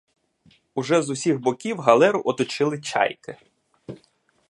Уже з усіх боків галеру оточили чайки.